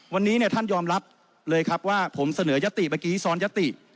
วันนี้ท่านยอมรับเลยครับว่าผมเสนอยติเมื่อกี้ซ้อนยติ